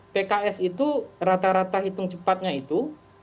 pks itu rata rata hitung cepatnya itu delapan tiga puluh lima